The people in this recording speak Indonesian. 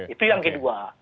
itu yang kedua